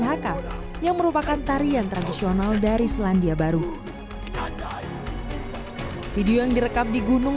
haka yang merupakan tarian tradisional dari selandia baru video yang direkam di gunung